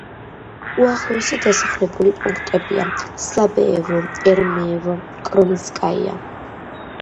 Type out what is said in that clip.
უახლოესი დასახლებული პუნქტებია: სლაბეევო, ერემეევო, კრომინსკაია.